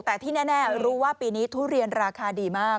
แต่ที่แน่รู้ว่าปีนี้ทุเรียนราคาดีมาก